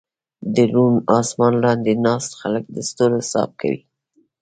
د روڼ اسمان لاندې ناست خلک د ستورو حساب کوي.